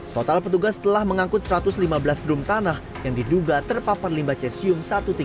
total petugas telah mengangkut satu ratus lima belas drum tanah yang diduga terpapar limbah cesium satu ratus tiga puluh